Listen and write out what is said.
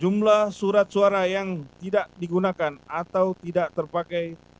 jumlah surat suara yang tidak digunakan atau tidak terpakai